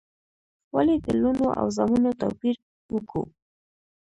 ولي د لوڼو او زامنو توپیر وکو؟